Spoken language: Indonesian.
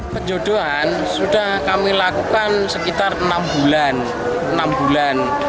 penjodohan sudah kami lakukan sekitar enam bulan